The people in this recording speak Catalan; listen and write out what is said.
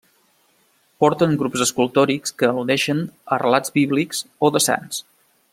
Porten grups escultòrics que al·ludeixen a relats bíblics o de sants.